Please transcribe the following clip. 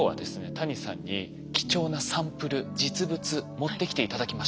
谷さんに貴重なサンプル実物持ってきて頂きました。